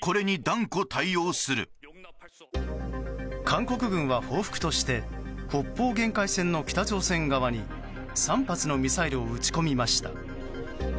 韓国軍は報復として北方限界線の北朝鮮側に３発のミサイルを撃ち込みました。